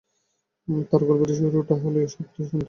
তার গল্পটির শুরুটা হলেও শুনতে হবে।